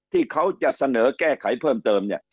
ที่เขาจะเสนอแก้ไขเพิ่มเติมเนี่ย